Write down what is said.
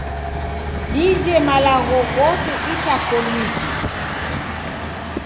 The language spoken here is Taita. Dije malagho ghose itakoniji.